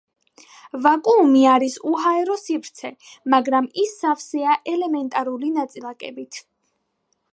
ვაკუუმი არის უჰაერო სივრცე, მაგრამ ის სავსეა ელემენტარული ნაწილაკებით.